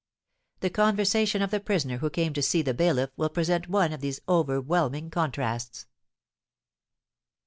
The conversation of the prisoner who came to see the bailiff will present one of these overwhelming contrasts.